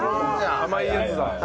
甘いやつだ。